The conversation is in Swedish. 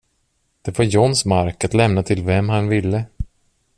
Det var Johns mark att lämna till vem han ville.